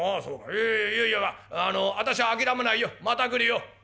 えいやいやあの私は諦めないよまた来るよ」。